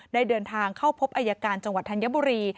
ได้เดินทางเข้าพบอายการจังหวัดธัญบุรี